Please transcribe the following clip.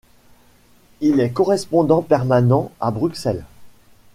Il est correspondant permanent à Bruxelles.